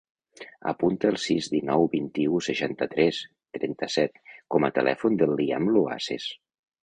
Apunta el sis, dinou, vint-i-u, seixanta-tres, trenta-set com a telèfon del Liam Luaces.